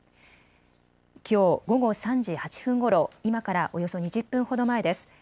きょう午後３時８分ごろ、今からおよそ２０分ほど前です。